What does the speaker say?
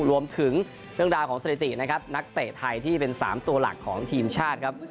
รวมถึงเรื่องราวของสถิตินะครับนักเตะไทยที่เป็น๓ตัวหลักของทีมชาติครับ